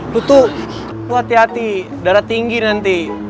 lo tuh lo hati hati darah tinggi nanti